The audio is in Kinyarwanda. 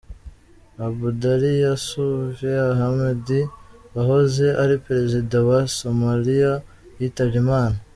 Abdullahi Yusuf Ahmed, wahoze ari perezida wa Somalia yitabye Imana.